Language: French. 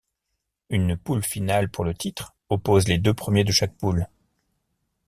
Une poule finale pour le titre oppose les deux premiers de chaque poule.